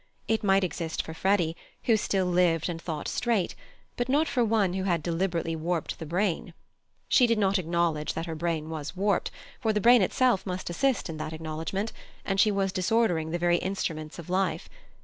It might exist for Freddy, who still lived and thought straight, but not for one who had deliberately warped the brain. She did not acknowledge that her brain was warped, for the brain itself must assist in that acknowledgment, and she was disordering the very instruments of life.